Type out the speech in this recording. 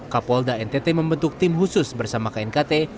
kapolda ntt membentuk tim khusus bersama knkt